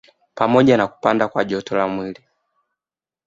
Pamoja na kupanda kwa joto la mwili